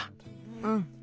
うん。